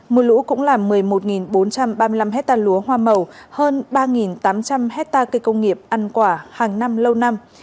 mưa lũ cũng làm một mươi một bốn trăm ba mươi năm hectare lúa hoa màu hơn ba tám trăm linh hectare cây công nghiệp ăn quả hàng năm lâu năm